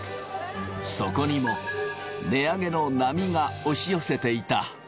そこにも値上げの波が押し寄せていた。